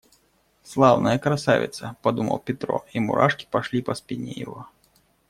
«Славная красавица!» – подумал Петро, и мурашки пошли по спине его.